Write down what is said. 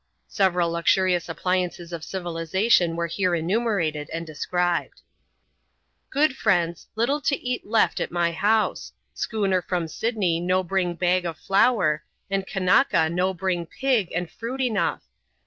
(Several luxurious appliances of civilization were here enumerated, and described.) ^^ Good friends, little to eat left at my house. Schooner from Sydney no bring bag of flour ; and kannaka no bring pig and fruit enough.